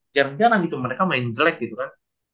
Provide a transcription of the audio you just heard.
jarang jarang gitu mereka main jelek gitu kan